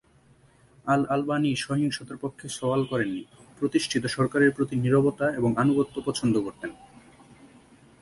আল-আলবানী সহিংসতার পক্ষে সওয়াল করেননি, প্রতিষ্ঠিত সরকারের প্রতি নীরবতা এবং আনুগত্য পছন্দ করতেন।